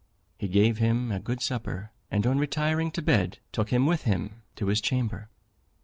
He gave him a good supper, and on retiring to bed took him with him to his chamber.